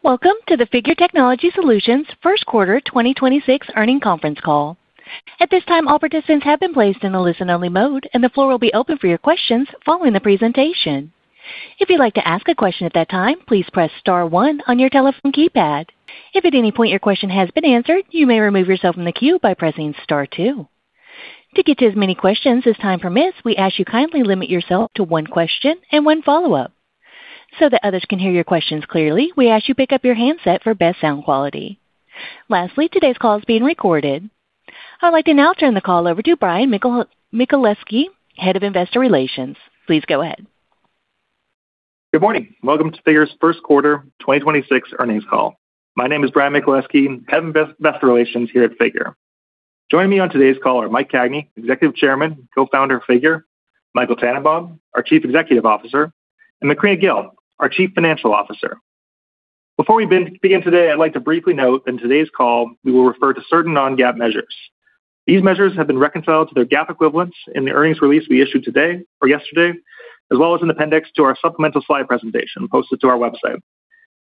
Welcome to the Figure Technology Solutions first quarter 2026 earnings conference call. At this time, all participants have been placed in a listen-only mode, and the floor will be open for your questions following the presentation. If you'd like to ask a question at that time, please press star one on your telephone keypad. If at any point your question has been answered, you may remove yourself from the queue by pressing star two. To get to as many questions as time permits, we ask you kindly limit yourself to one question and one follow-up. That others can hear your questions clearly, we ask you pick up your handset for best sound quality. Lastly, today's call is being recorded. I would like to now turn the call over to Brian Michaleski, Head of Investor Relations. Please go ahead. Good morning. Welcome to Figure's first quarter 2026 earnings call. My name is Brian Michaleski, Head of Investor Relations here at Figure. Joining me on today's call are Mike Cagney, Executive Chairman, Co-founder of Figure, Michael Tannenbaum, our Chief Executive Officer, and Macrina Kgil, our Chief Financial Officer. Before we begin today, I'd like to briefly note that in today's call, we will refer to certain non-GAAP measures. These measures have been reconciled to their GAAP equivalents in the earnings release we issued today or yesterday, as well as in appendix to our supplemental slide presentation posted to our website.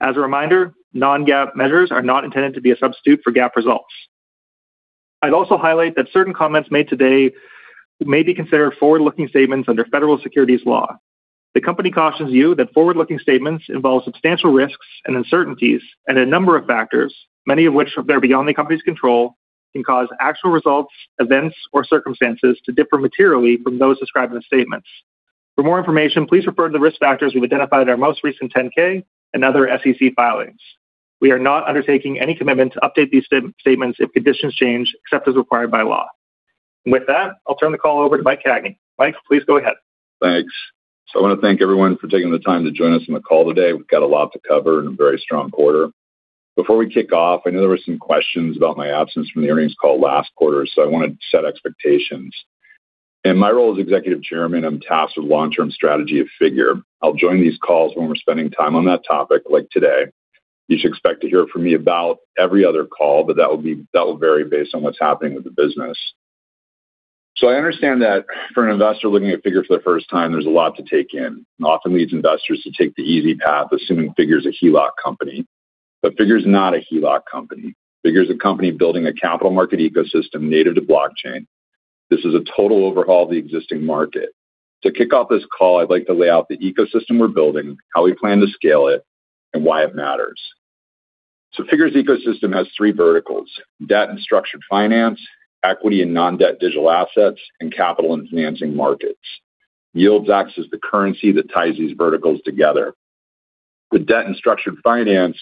As a reminder, non-GAAP measures are not intended to be a substitute for GAAP results. I'd also highlight that certain comments made today may be considered forward-looking statements under federal securities law. The company cautions you that forward-looking statements involve substantial risks and uncertainties, a number of factors, many of which are very beyond the company's control, can cause actual results, events, or circumstances to differ materially from those described in the statements. For more information, please refer to the risk factors we've identified in our most recent Form 10-K and other SEC filings. We are not undertaking any commitment to update these statements if conditions change, except as required by law. With that, I'll turn the call over to Mike Cagney. Mike, please go ahead. Thanks. I want to thank everyone for taking the time to join us on the call today. We've got a lot to cover and a very strong quarter. Before we kick off, I know there were some questions about my absence from the earnings call last quarter. I want to set expectations. In my role as Executive Chairman, I'm tasked with long-term strategy of Figure. I'll join these calls when we're spending time on that topic, like today. You should expect to hear from me about every other call, that will vary based on what's happening with the business. I understand that for an investor looking at Figure for the first time, there's a lot to take in, and often leads investors to take the easy path, assuming Figure's a HELOC company. Figure is not a HELOC company. Figure is a company building a capital market ecosystem native to blockchain. This is a total overhaul of the existing market. To kick off this call, I'd like to lay out the ecosystem we're building, how we plan to scale it, and why it matters. Figure's ecosystem has three verticals: debt and structured finance, equity and non-debt digital assets, and capital and financing markets. Yield is the currency that ties these verticals together. With debt and structured finance,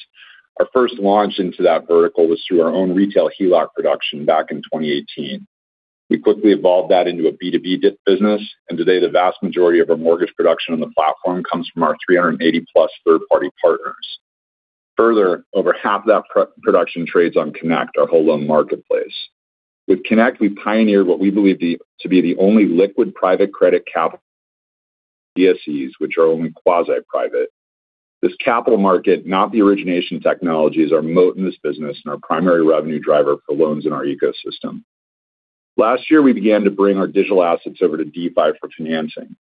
our first launch into that vertical was through our own retail HELOC production back in 2018. We quickly evolved that into a B2B debt business, and today the vast majority of our mortgage production on the platform comes from our 380-plus third-party partners. Further, over half of that production trades on Connect, our whole loan marketplace. With Connect, we pioneered what we believe to be the only liquid private credit capital BSEs, which are only quasi-private. This capital market, not the origination technology, is our moat in this business and our primary revenue driver for loans in our ecosystem. Last year, we began to bring our digital assets over to DeFi for financing.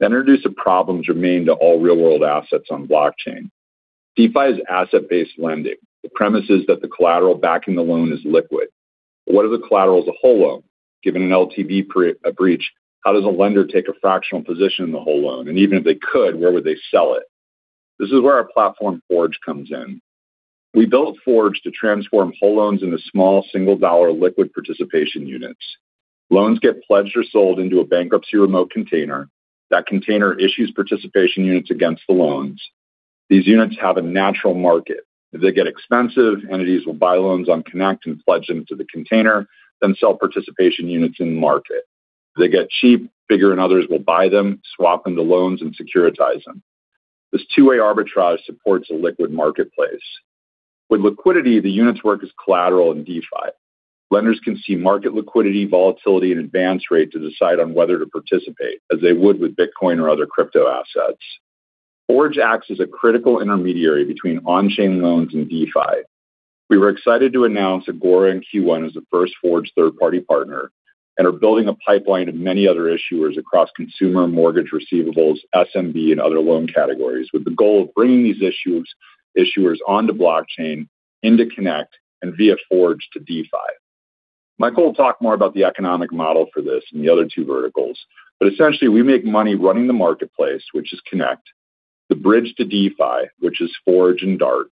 That introduced a problem germane to all real-world assets on blockchain. DeFi is asset-based lending. The premise is that the collateral backing the loan is liquid. What are the collateral as a whole loan? Given an LTV breach, how does a lender take a fractional position in the whole loan? Even if they could, where would they sell it? This is where our platform Forge comes in. We built Forge to transform whole loans into small single-dollar liquid participation units. Loans get pledged or sold into a bankruptcy remote container. That container issues participation units against the loans. These units have a natural market. If they get expensive, entities will buy loans on Connect and pledge them to the container, then sell participation units in the market. If they get cheap, Figure and others will buy them, swap them to loans, and securitize them. This two-way arbitrage supports a liquid marketplace. With liquidity, the units work as collateral in DeFi. Lenders can see market liquidity, volatility, and advance rate to decide on whether to participate, as they would with Bitcoin or other crypto assets. Forge acts as a critical intermediary between on-chain loans and DeFi. We were excited to announce Agora in Q1 as the first Forge third-party partner, and are building a pipeline to many other issuers across consumer mortgage receivables, SMB, and other loan categories, with the goal of bringing these issuers onto blockchain into Connect and via Forge to DeFi. Michael will talk more about the economic model for this and the other two verticals, but essentially, we make money running the marketplace, which is Connect, the bridge to DeFi, which is Forge and DART,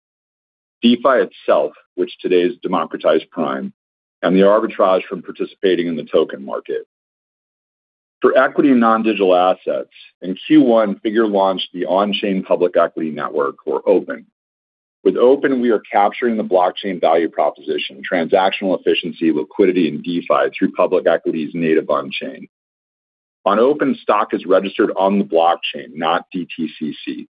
DeFi itself, which today is Democratized Prime, and the arbitrage from participating in the token market. For equity and non-digital assets, in Q1, Figure launched the On-chain Public Equity Network, or OPEN. With OPEN, we are capturing the blockchain value proposition, transactional efficiency, liquidity, and DeFi through public equities native on-chain. On OPEN, stock is registered on the blockchain, not DTCC.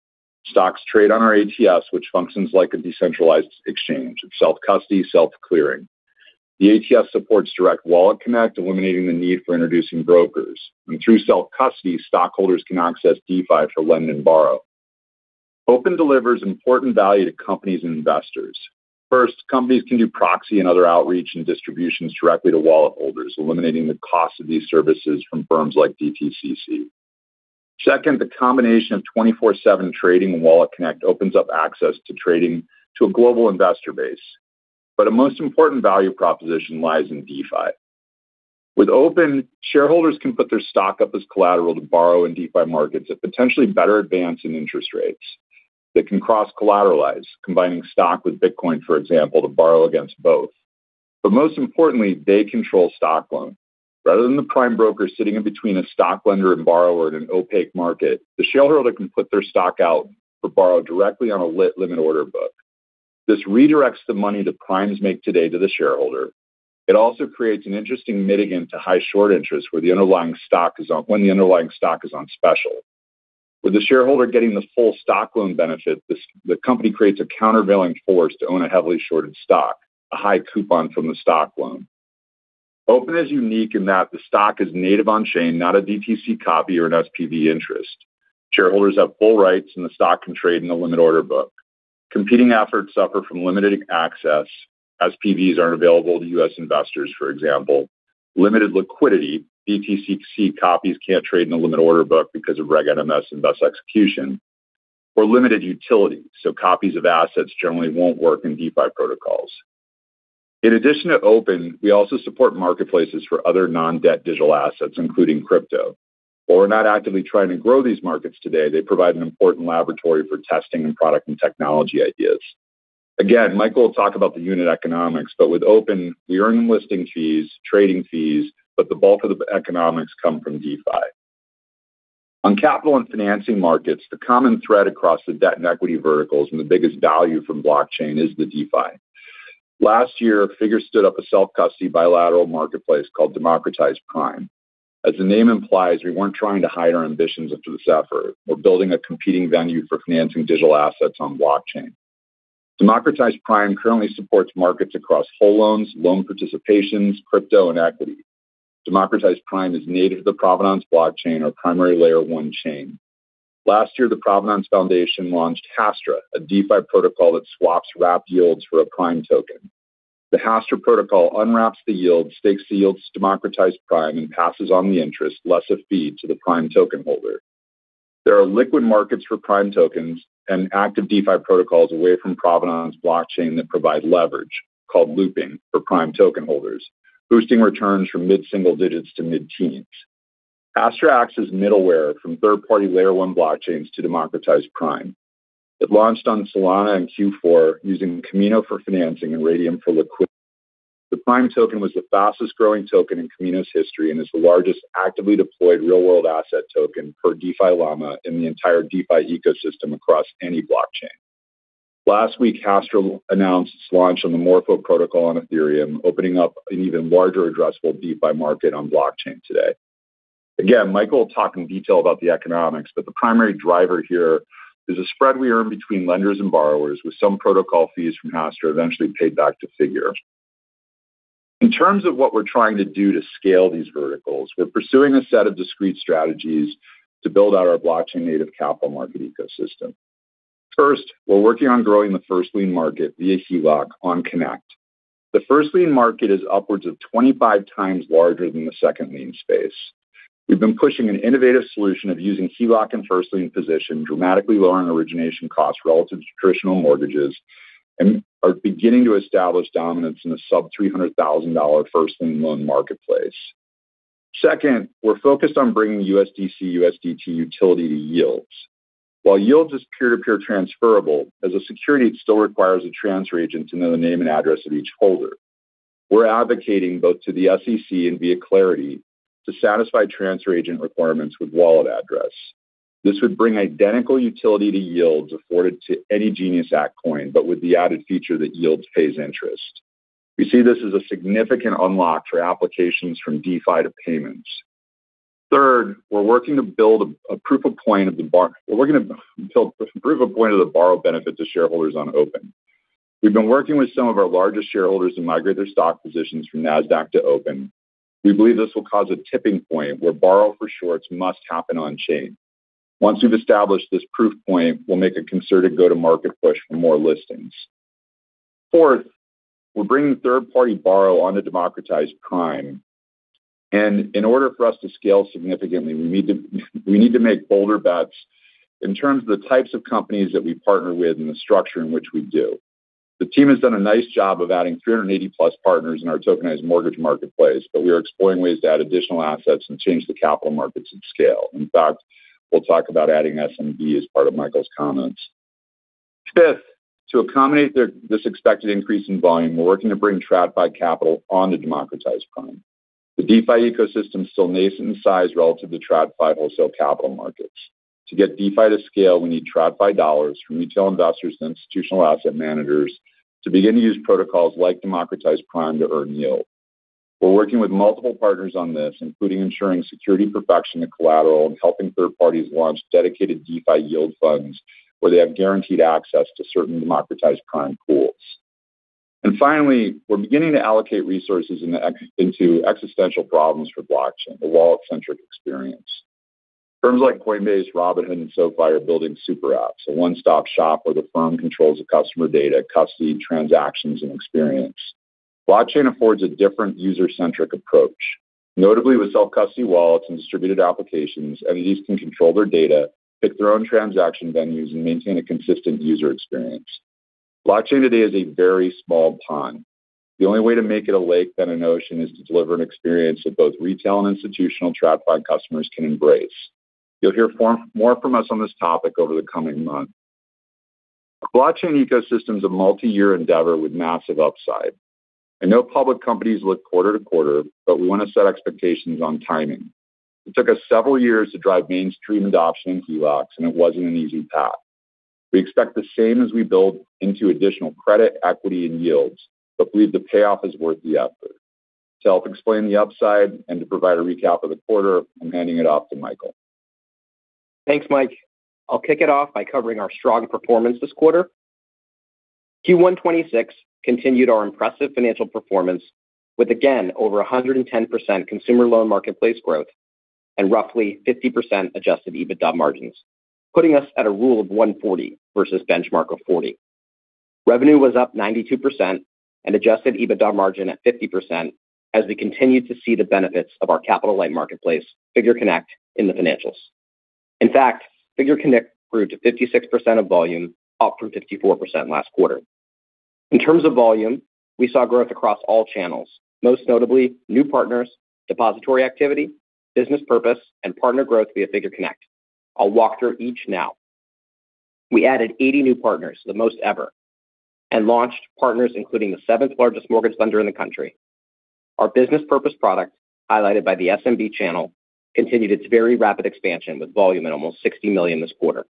Stocks trade on our ATS, which functions like a decentralized exchange. It's self-custody, self-clearing. The ATS supports direct WalletConnect, eliminating the need for introducing brokers. Through self-custody, stockholders can access DeFi to lend and borrow. OPEN delivers important value to companies and investors. First, companies can do proxy and other outreach and distributions directly to wallet holders, eliminating the cost of these services from firms like DTCC. Second, the combination of 24/7 trading and WalletConnect opens up access to trading to a global investor base. A most important value proposition lies in DeFi. With OPEN, shareholders can put their stock up as collateral to borrow in DeFi markets at potentially better advance in interest rates that can cross-collateralize, combining stock with Bitcoin, for example, to borrow against both. Most importantly, they control stock loan. Rather than the prime broker sitting in between a stock lender and borrower in an opaque market, the shareholder can put their stock out or borrow directly on a lit limit order book. This redirects the money that primes make today to the shareholder. It also creates an interesting mitigant to high short interest when the underlying stock is on special. With the shareholder getting the full stock loan benefit, the company creates a countervailing force to own a heavily shorted stock, a high coupon from the stock loan. OPEN is unique in that the stock is native on-chain, not a DTC copy or an SPV interest. Shareholders have full rights. The stock can trade in the limit order book. Competing efforts suffer from limiting access. SPVs aren't available to U.S. investors, for example. Limited liquidity, DTC copies can't trade in the limit order book because of Reg NMS and best execution, or limited utility, so copies of assets generally won't work in DeFi protocols. In addition to OPEN, we also support marketplaces for other non-debt digital assets, including crypto. While we're not actively trying to grow these markets today, they provide an important laboratory for testing and product and technology ideas. Again, Michael will talk about the unit economics, but with OPEN, we earn listing fees, trading fees, but the bulk of the economics come from DeFi. On capital and financing markets, the common thread across the debt and equity verticals and the biggest value from blockchain is the DeFi. Last year, Figure stood up a self-custody bilateral marketplace called Democratized Prime. As the name implies, we weren't trying to hide our ambitions into this effort. We're building a competing venue for financing digital assets on blockchain. Democratized Prime currently supports markets across whole loans, loan participations, crypto, and equity. Democratized Prime is native to the Provenance Blockchain, our primary layer one chain. Last year, the Provenance Blockchain Foundation launched Hastra, a DeFi protocol that swaps wrapped yields for a Prime token. The Hastra protocol unwraps the yield, stakes the yields to Democratized Prime, and passes on the interest, less a fee, to the Prime token holder. There are liquid markets for Prime tokens and active DeFi protocols away from Provenance Blockchain that provide leverage, called looping, for Prime token holders, boosting returns from mid-single digits to mid-teens. Hastra acts as middleware from third-party layer one blockchains to Democratized Prime. It launched on Solana in Q4 using Kamino for financing and Raydium for liquid. The Prime token was the fastest-growing token in Kamino's history and is the largest actively deployed real-world asset token per DeFiLlama in the entire DeFi ecosystem across any blockchain. Last week, Hastra announced its launch on the Morpho protocol on Ethereum, opening up an even larger addressable DeFi market on blockchain today. Michael will talk in detail about the economics, but the primary driver here is a spread we earn between lenders and borrowers, with some protocol fees from Hastra eventually paid back to Figure. In terms of what we're trying to do to scale these verticals, we're pursuing a set of discrete strategies to build out our blockchain-native capital market ecosystem. First, we're working on growing the first lien market via HELOC on Connect. The first lien market is upwards of 25x larger than the second lien space. We've been pushing an innovative solution of using HELOC and first lien position, dramatically lowering origination costs relative to traditional mortgages, are beginning to establish dominance in the sub $300,000 first lien loan marketplace. Second, we're focused on bringing USDC, USDT utility to yields. While yields is peer-to-peer transferable, as a security, it still requires a transfer agent to know the name and address of each holder. We're advocating both to the SEC and via clarity to satisfy transfer agent requirements with wallet address. This would bring identical utility to yields afforded to any GENIUS Act coin, with the added feature that yields pays interest. We see this as a significant unlock for applications from DeFi to payments. Third, we're working to build proof of claim of the borrow benefit to shareholders on Open. We've been working with some of our largest shareholders to migrate their stock positions from Nasdaq to OPEN. We believe this will cause a tipping point where borrow for shorts must happen on-chain. Once we've established this proof point, we'll make a concerted go-to-market push for more listings. Fourth, we're bringing third-party borrow onto Democratized Prime. In order for us to scale significantly, we need to make bolder bets in terms of the types of companies that we partner with and the structure in which we do. The team has done a nice job of adding 380-plus partners in our tokenized mortgage marketplace. We are exploring ways to add additional assets and change the capital markets at scale. In fact, we'll talk about adding SMB as part of Michael's comments. Fifth, to accommodate this expected increase in volume, we're working to bring TradFi capital onto Democratized Prime. The DeFi ecosystem is still nascent in size relative to TradFi wholesale capital markets. To get DeFi to scale, we need TradFi dollars from retail investors and institutional asset managers to begin to use protocols like Democratized Prime to earn yield. We're working with multiple partners on this, including ensuring security perfection of collateral and helping third parties launch dedicated DeFi yield funds where they have guaranteed access to certain Democratized Prime pools. Finally, we're beginning to allocate resources into existential problems for blockchain, the wallet-centric experience. Firms like Coinbase, Robinhood, and SoFi are building super apps, a one-stop shop where the firm controls the customer data, custody, transactions, and experience. Blockchain affords a different user-centric approach. Notably, with self-custody wallets and distributed applications, entities can control their data, pick their own transaction venues, and maintain a consistent user experience. Blockchain today is a very small pond. The only way to make it a lake, then an ocean, is to deliver an experience that both retail and institutional TradFi customers can embrace. You'll hear more from us on this topic over the coming months. A blockchain ecosystem is a multi-year endeavor with massive upside. I know public companies look quarter to quarter, but we want to set expectations on timing. It took us several years to drive mainstream adoption in HELOCs. It wasn't an easy path. We expect the same as we build into additional credit, equity, and yields. We believe the payoff is worth the effort. To help explain the upside and to provide a recap of the quarter, I'm handing it off to Michael. Thanks, Mike. I'll kick it off by covering our strong performance this quarter. Q1 2026 continued our impressive financial performance with again over 110% consumer loan marketplace growth and roughly 50% adjusted EBITDA margins, putting us at a rule of 140 versus benchmark of 40. Revenue was up 92% and adjusted EBITDA margin at 50% as we continued to see the benefits of our capital-light marketplace, Figure Connect, in the financials. Figure Connect grew to 56% of volume, up from 54% last quarter. In terms of volume, we saw growth across all channels, most notably new partners, depository activity, business purpose, and partner growth via Figure Connect. I'll walk through each now. We added 80 new partners, the most ever, and launched partners including the seventh-largest mortgage lender in the country. Our business purpose product, highlighted by the SMB channel, continued its very rapid expansion with volume at almost $60 million this quarter.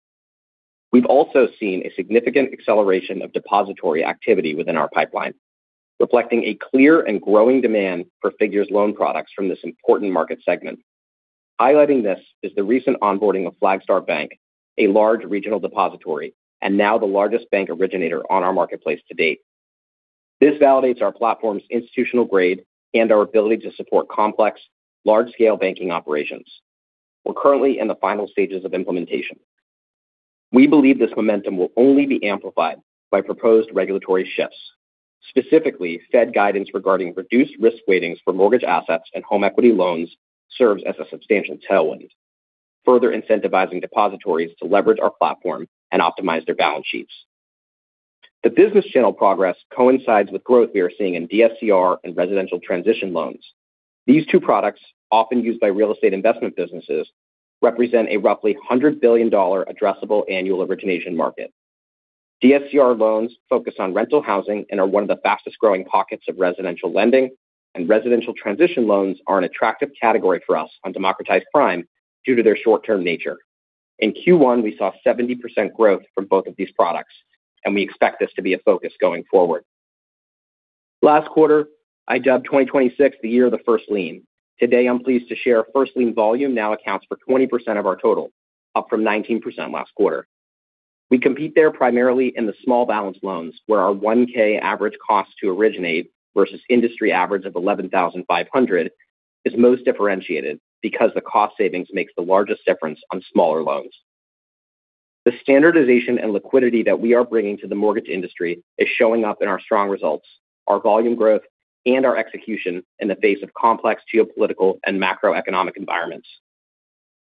We've also seen a significant acceleration of depository activity within our pipeline, reflecting a clear and growing demand for Figure's loan products from this important market segment. Highlighting this is the recent onboarding of Flagstar Bank, a large regional depository, and now the largest bank originator on our marketplace to date. This validates our platform's institutional grade and our ability to support complex, large-scale banking operations. We're currently in the final stages of implementation. We believe this momentum will only be amplified by proposed regulatory shifts. Specifically, Fed guidance regarding reduced risk weightings for mortgage assets and home equity loans serves as a substantial tailwind, further incentivizing depositories to leverage our platform and optimize their balance sheets. The business channel progress coincides with growth we are seeing in DSCR and residential transition loans. These two products, often used by real estate investment businesses, represent a roughly $100 billion addressable annual origination market. DSCR loans focus on rental housing and are one of the fastest-growing pockets of residential lending, and residential transition loans are an attractive category for us on Democratized Prime due to their short-term nature. In Q1, we saw 70% growth from both of these products, and we expect this to be a focus going forward. Last quarter, I dubbed 2026 the year of the first lien. Today, I'm pleased to share first lien volume now accounts for 20% of our total, up from 19% last quarter. We compete there primarily in the small balance loans, where our 1K average cost to originate versus industry average of $11,500 is most differentiated because the cost savings makes the largest difference on smaller loans. The standardization and liquidity that we are bringing to the mortgage industry is showing up in our strong results, our volume growth, and our execution in the face of complex geopolitical and macroeconomic environments.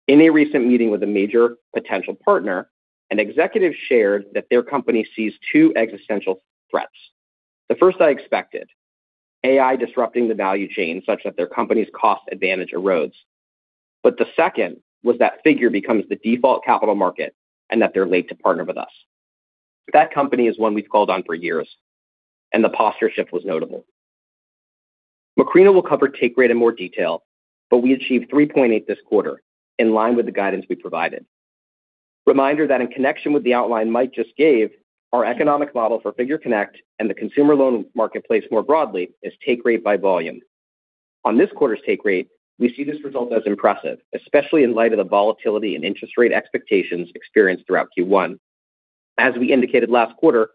In a recent meeting with a major potential partner, an executive shared that their company sees two existential threats. The first I expected, AI disrupting the value chain such that their company's cost advantage erodes. The second was that Figure becomes the default capital market and that they're late to partner with us. That company is one we've called on for years, and the posture shift was notable. Macrina will cover take rate in more detail, but we achieved 3.8 this quarter, in line with the guidance we provided. Reminder that in connection with the outline Mike just gave, our economic model for Figure Connect and the consumer loan marketplace more broadly is take rate by volume. On this quarter's take rate, we see this result as impressive, especially in light of the volatility in interest rate expectations experienced throughout Q1. As we indicated last quarter,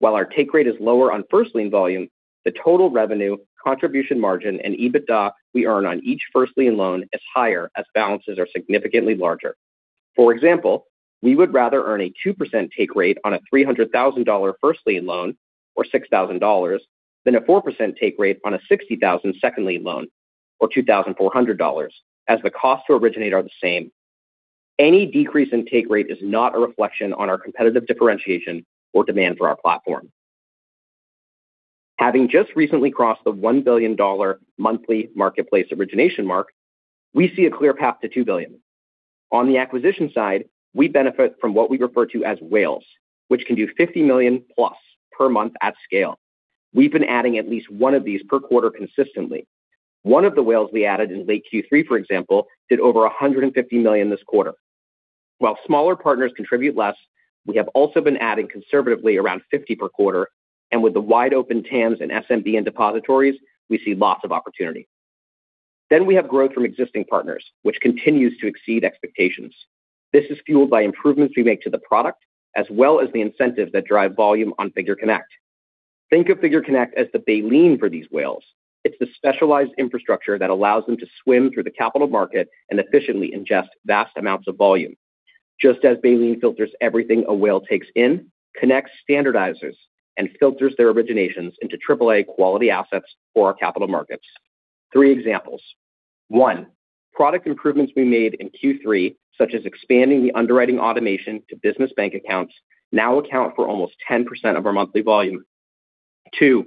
while our take rate is lower on first lien volume, the total revenue, contribution margin, and EBITDA we earn on each first lien loan is higher as balances are significantly larger. For example, we would rather earn a 2% take rate on a $300,000 first lien loan or $6,000 than a 4% take rate on a $60,000 second lien loan or $2,400, as the cost to originate are the same. Any decrease in take rate is not a reflection on our competitive differentiation or demand for our platform. Having just recently crossed the $1 billion monthly marketplace origination mark, we see a clear path to $2 billion. On the acquisition side, we benefit from what we refer to as whales, which can do $50 million-plus per month at scale. We've been adding at least one of these per quarter consistently. One of the whales we added in late Q3, for example, did over $150 million this quarter. While smaller partners contribute less, we have also been adding conservatively around 50 per quarter, with the wide-open TAMs in SMB and depositories, we see lots of opportunity. We have growth from existing partners, which continues to exceed expectations. This is fueled by improvements we make to the product as well as the incentives that drive volume on Figure Connect. Think of Figure Connect as the baleen for these whales. It's the specialized infrastructure that allows them to swim through the capital market and efficiently ingest vast amounts of volume. Just as baleen filters everything a whale takes in, Connect standardizes and filters their originations into AAA quality assets for our capital markets. Three examples. One, product improvements we made in Q3, such as expanding the underwriting automation to business bank accounts, now account for almost 10% of our monthly volume. Two,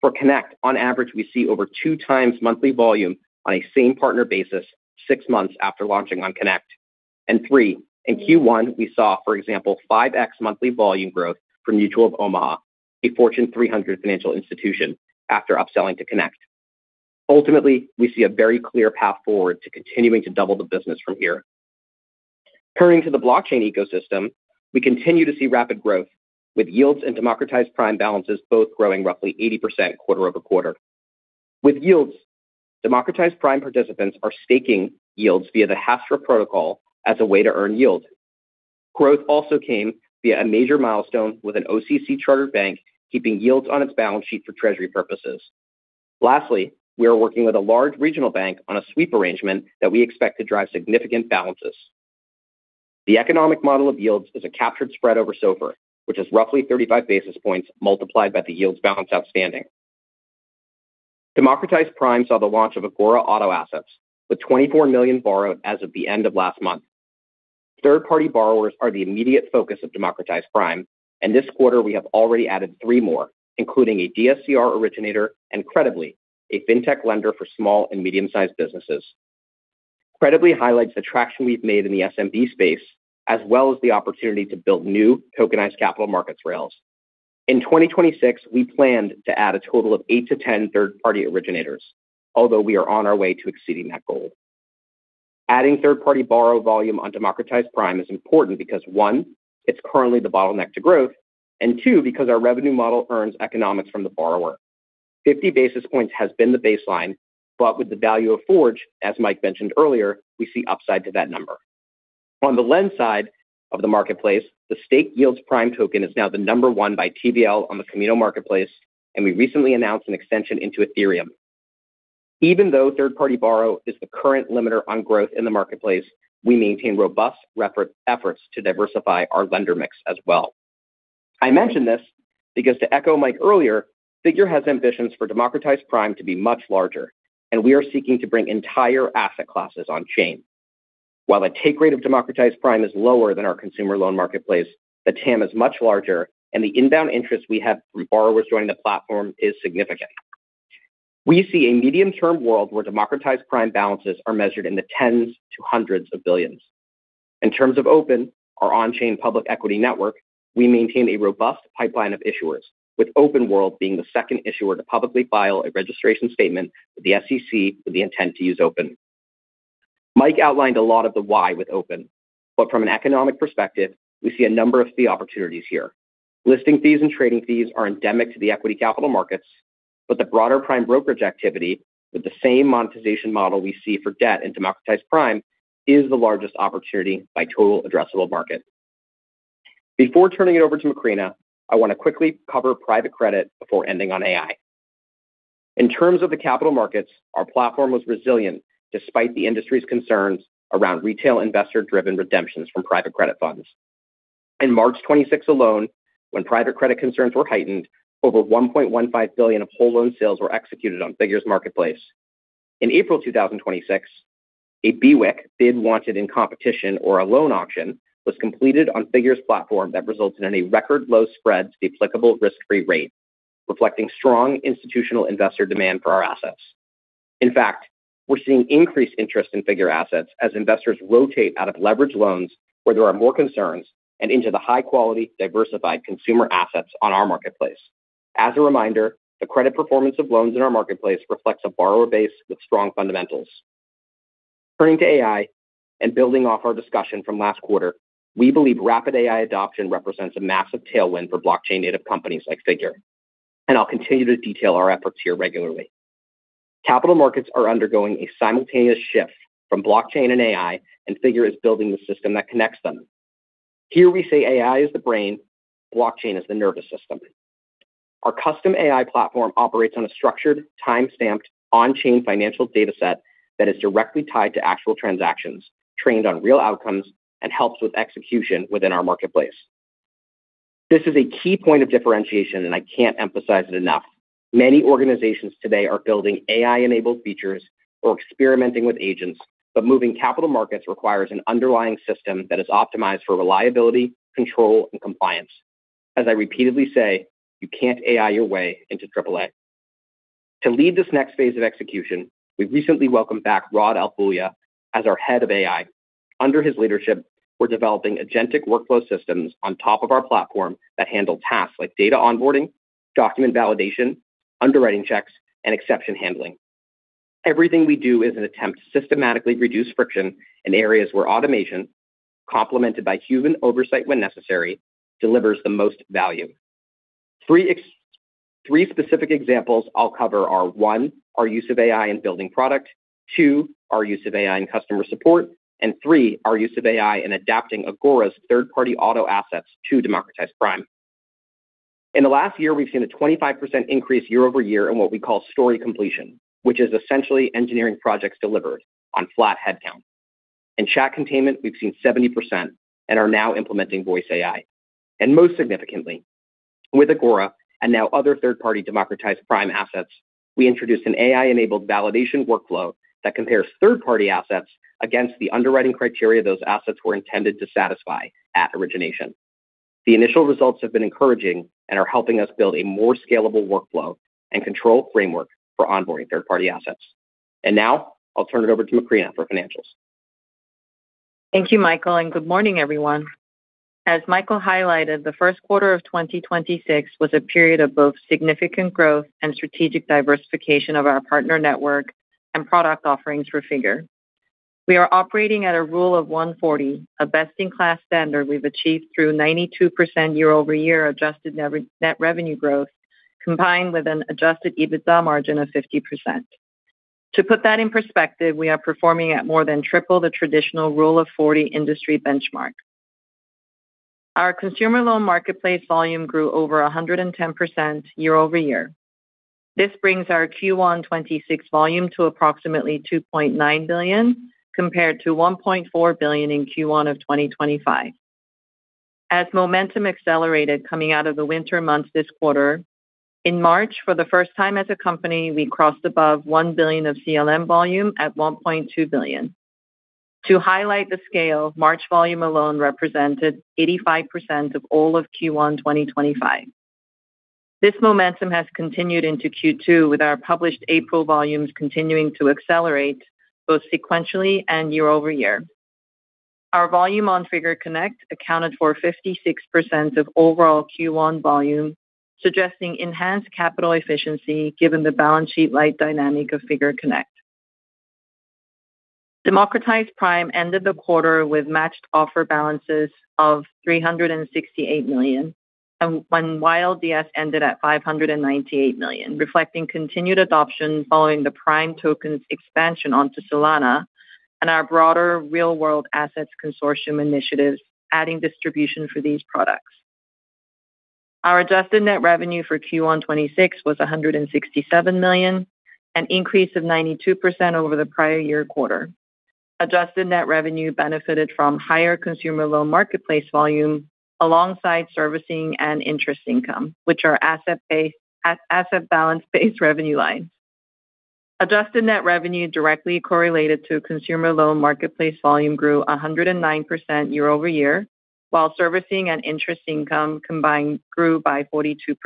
for Connect, on average, we see over two times monthly volume on a same partner basis six months after launching on Connect. three, in Q1, we saw, for example, 5x monthly volume growth from Mutual of Omaha, a Fortune 300 financial institution, after upselling to Connect. Ultimately, we see a very clear path forward to continuing to double the business from here. Turning to the blockchain ecosystem, we continue to see rapid growth with YLDS and Democratized Prime balances both growing roughly 80% quarter-over-quarter. With YLDS, Democratized Prime participants are staking YLDS via the Hastra protocol as a way to earn yield. Growth also came via a major milestone with an OCC chartered bank keeping YLDS on its balance sheet for treasury purposes. Lastly, we are working with a large regional bank on a sweep arrangement that we expect to drive significant balances. The economic model of yields is a captured spread over SOFR, which is roughly 35 basis points multiplied by the yields balance outstanding. Democratized Prime saw the launch of Agora Auto Assets, with $24 million borrowed as of the end of last month. Third-party borrowers are the immediate focus of Democratized Prime, and this quarter we have already added three more, including a DSCR originator and Credibly, a fintech lender for small and medium-sized businesses. Credibly highlights the traction we've made in the SMB space, as well as the opportunity to build new tokenized capital markets rails. In 2026, we planned to add a total of eight to 10 third-party originators, although we are on our way to exceeding that goal. Adding third-party borrow volume on Democratized Prime is important because one, it's currently the bottleneck to growth, and two, because our revenue model earns economics from the borrower. 50 basis points has been the baseline, but with the value of Forge, as Mike mentioned earlier, we see upside to that number. On the lend side of the marketplace, the staked yields prime token is now the one by TVL on the Kamino marketplace, and we recently announced an extension into Ethereum. Even though third-party borrow is the current limiter on growth in the marketplace, we maintain robust efforts to diversify our lender mix as well. I mention this because to echo Mike earlier, Figure has ambitions for Democratized Prime to be much larger, and we are seeking to bring entire asset classes on chain. While the take rate of Democratized Prime is lower than our consumer loan marketplace, the TAM is much larger, and the inbound interest we have from borrowers joining the platform is significant. We see a medium-term world where Democratized Prime balances are measured in the 10 to hundreds of billions. In terms of OPEN, our On-chain Public Equity Network, we maintain a robust pipeline of issuers, with Open World Ltd. being the second issuer to publicly file a registration statement with the SEC with the intent to use OPEN. Mike outlined a lot of the why with OPEN, but from an economic perspective, we see a number of fee opportunities here. Listing fees and trading fees are endemic to the equity capital markets, but the broader prime brokerage activity with the same monetization model we see for debt and Democratized Prime is the largest opportunity by total addressable market. Before turning it over to Macrina, I want to quickly cover private credit before ending on AI. In terms of the capital markets, our platform was resilient despite the industry's concerns around retail investor-driven redemptions from private credit funds. In March 26 alone, when private credit concerns were heightened, over $1.15 billion of whole loan sales were executed on Figure's marketplace. In April 2026, a BWIC, bid wanted in competition, or a loan auction, was completed on Figure's platform that resulted in a record low spread to the applicable risk-free rate, reflecting strong institutional investor demand for our assets. In fact, we're seeing increased interest in Figure assets as investors rotate out of leveraged loans where there are more concerns and into the high-quality, diversified consumer assets on our marketplace. As a reminder, the credit performance of loans in our marketplace reflects a borrower base with strong fundamentals. Turning to AI and building off our discussion from last quarter, we believe rapid AI adoption represents a massive tailwind for blockchain-native companies like Figure, and I'll continue to detail our efforts here regularly. Capital markets are undergoing a simultaneous shift from blockchain and AI, and Figure is building the system that connects them. Here we say AI is the brain, blockchain is the nervous system. Our custom AI platform operates on a structured, time-stamped, on-chain financial data set that is directly tied to actual transactions, trained on real outcomes, and helps with execution within our marketplace. This is a key point of differentiation, and I can't emphasize it enough. Many organizations today are building AI-enabled features or experimenting with agents, but moving capital markets requires an underlying system that is optimized for reliability, control, and compliance. As I repeatedly say, you can't AI your way into AAA. To lead this next phase of execution, we've recently welcomed back Rod Albuyeh as our head of AI. Under his leadership, we're developing agentic workflow systems on top of our platform that handle tasks like data onboarding, document validation, underwriting checks, and exception handling. Everything we do is an attempt to systematically reduce friction in areas where automation, complemented by human oversight when necessary, delivers the most value. Three specific examples I'll cover are, one, our use of AI in building product, two, our use of AI in customer support, and three, our use of AI in adapting Agora's third-party auto assets to Democratized Prime. In the last year, we've seen a 25% increase year-over-year in what we call story completion, which is essentially engineering projects delivered on flat headcount. In chat containment, we've seen 70% and are now implementing voice AI. Most significantly, with Agora and now other third-party Democratized Prime assets, we introduced an AI-enabled validation workflow that compares third-party assets against the underwriting criteria those assets were intended to satisfy at origination. The initial results have been encouraging and are helping us build a more scalable workflow and control framework for onboarding third-party assets. Now, I'll turn it over to Macrina for financials. Thank you, Michael. Good morning, everyone. As Michael highlighted, the first quarter of 2026 was a period of both significant growth and strategic diversification of our partner network and product offerings for Figure. We are operating at a rule of 140, a best-in-class standard we've achieved through 92% year-over-year adjusted net revenue growth, combined with an adjusted EBITDA margin of 50%. To put that in perspective, we are performing at more than triple the traditional rule-of-40 industry benchmark. Our consumer loan marketplace volume grew over 110% year over year. This brings our Q1 '26 volume to approximately $2.9 billion, compared to $1.4 billion in Q1 of 2025. As momentum accelerated coming out of the winter months this quarter, in March, for the first time as a company, we crossed above $1 billion of CLM volume at $1.2 billion. To highlight the scale, March volume alone represented 85% of all of Q1 2025. This momentum has continued into Q2, with our published April volumes continuing to accelerate both sequentially and year-over-year. Our volume on Figure Connect accounted for 56% of overall Q1 volume, suggesting enhanced capital efficiency given the balance sheet light dynamic of Figure Connect. Democratized Prime ended the quarter with matched offer balances of $368 million, and meanwhile YLDS ended at $598 million, reflecting continued adoption following the Prime token's expansion onto Solana and our broader real-world assets consortium initiatives adding distribution for these products. Our adjusted net revenue for Q1 2026 was $167 million, an increase of 92% over the prior-year quarter. Adjusted net revenue benefited from higher consumer loan marketplace volume alongside servicing and interest income, which are asset-based, asset balance-based revenue lines. Adjusted net revenue directly correlated to consumer loan marketplace volume grew 109% year-over-year, while servicing and interest income combined grew by 42%.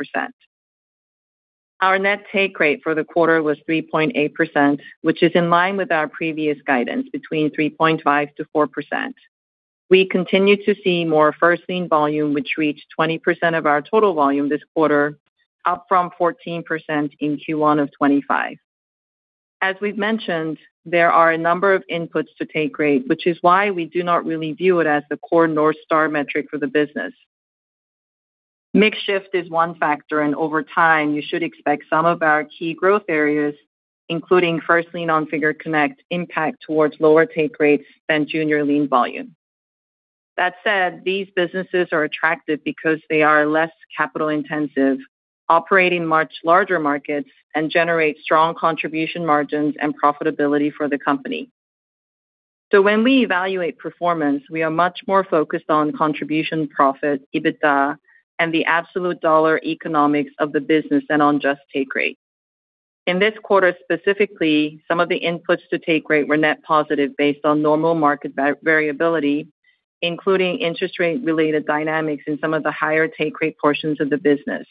Our net take rate for the quarter was 3.8%, which is in line with our previous guidance between 3.5%-4%. We continue to see more first lien volume, which reached 20% of our total volume this quarter, up from 14% in Q1 of 2025. As we've mentioned, there are a number of inputs to take rate, which is why we do not really view it as the core North Star metric for the business. Mix shift is one factor, and over time, you should expect some of our key growth areas, including first lien on Figure Connect impact towards lower take rates than junior lien volume. These businesses are attractive because they are less capital-intensive, operating much larger markets, and generate strong contribution margins and profitability for the company. When we evaluate performance, we are much more focused on contribution profit, EBITDA, and the absolute dollar economics of the business than on just take rate. In this quarter specifically, some of the inputs to take rate were net positive based on normal market variability, including interest rate-related dynamics in some of the higher take rate portions of the business.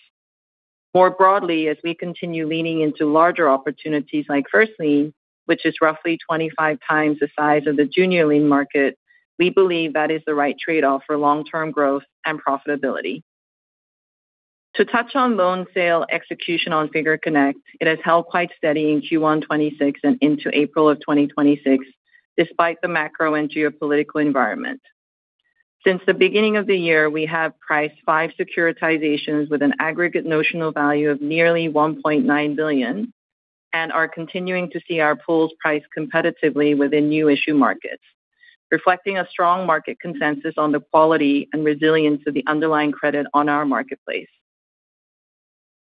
More broadly, as we continue leaning into larger opportunities like first lien, which is roughly 25x the size of the junior lien market, we believe that is the right trade-off for long-term growth and profitability. To touch on loan sale execution on Figure Connect, it has held quite steady in Q1 2026 and into April 2026, despite the macro and geopolitical environment. Since the beginning of the year, we have priced five securitizations with an aggregate notional value of nearly $1.9 billion and are continuing to see our pools priced competitively within new issue markets, reflecting a strong market consensus on the quality and resilience of the underlying credit on our marketplace.